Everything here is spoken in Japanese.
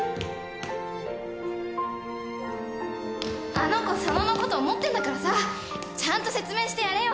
あの子佐野のこと思ってんだからさちゃんと説明してやれよ。